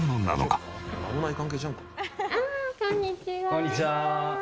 こんにちは。